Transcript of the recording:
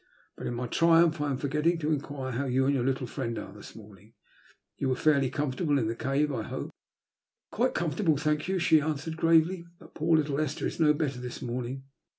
But, in my triumph, I am forgetting to enquire how you and your little firiend are this morning. You were fairly comfortable in tha eave, I hope ?" 17d THE LUST OF HATE. ''Quite comfortable, thank yon/* she answered, gravely. ''But poor little Esther is no better this morning.